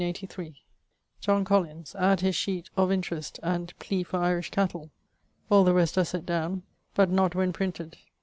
John Collins: adde his sheet Of interest, and Plea for Irish cattle: all the rest are set downe, but not when printed.